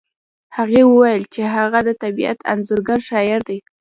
هغې وویل چې هغه د طبیعت انځورګر شاعر دی